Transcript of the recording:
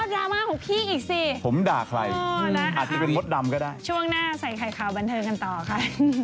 อ๋อดราม่าของพี่อีกสิช่วงหน้าใส่ไข่ขาวบันเทิงกันต่อค่ะ